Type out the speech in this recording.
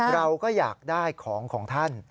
เราก็อยากได้ของของท่าน